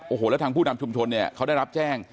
โอ้โหแล้วทางผู้นำชุมชนเนี่ยเขาได้รับแจ้ง